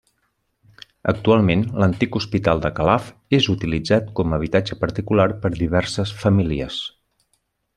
Actualment, l'antic hospital de Calaf és utilitzat com a habitatge particular per diverses famílies.